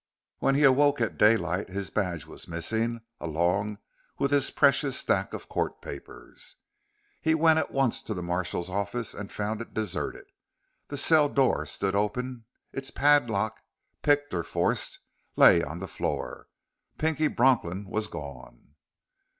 When he woke at daylight, his badge was missing along with his precious stack of court papers. He went at once to the marshal's office and found it deserted. The cell door stood open. Its padlock picked or forced lay on the floor. Pinky Bronklin was gone.